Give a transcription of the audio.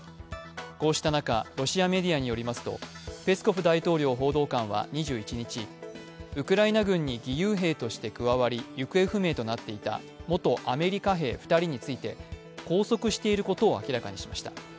こうした中、ロシアメディアによりますとペスコフ大統領報道官は２１日、ウクライナ軍に義勇兵として加わり、行方不明となっていた元アメリカ兵２人について拘束していることを明らかにしました。